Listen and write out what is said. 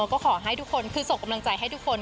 ก็ขอให้ทุกคนคือส่งกำลังใจให้ทุกคน